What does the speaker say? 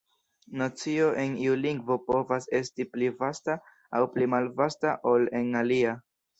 Nocio en iu lingvo povas esti pli vasta aŭ pli malvasta ol en alia.